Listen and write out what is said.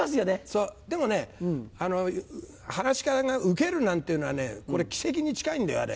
そうでもね噺家がウケるなんていうのはねこれ奇跡に近いんだよあれ。